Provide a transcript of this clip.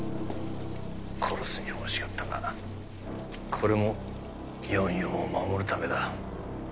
殺すには惜しかったがこれも４４を守るためだ。